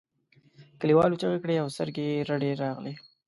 کليوالو چیغې کړې او سترګې یې رډې راغلې.